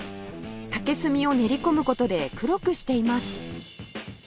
竹炭を練り込む事で黒くしています